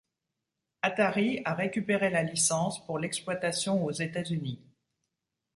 Atari a récupéré la licence pour l'exploitation aux États-Unis.